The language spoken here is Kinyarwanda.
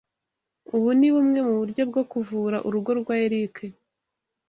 Ubu ni bumwe mu buryo bwo kuvura urugo rwa Eric.